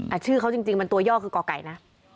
ชื่อเขาจริงมันตัวย่อคือก่อไก่นะ